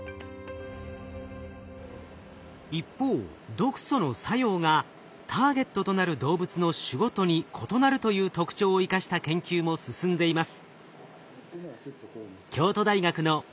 一方毒素の作用がターゲットとなる動物の種ごとに異なるという特徴を生かした研究も進んでいます。